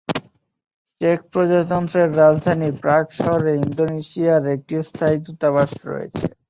Check প্রজাতন্ত্রের রাজধানী Prague শহরে ইন্দোনেশিয়ার একটি স্থায়ী দূতাবাস রয়েছে।